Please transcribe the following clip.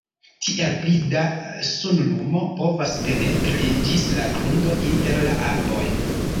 Tiel pli da sunlumo povas penetri ĝis la grundo inter la arboj.